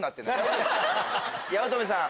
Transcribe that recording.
八乙女さん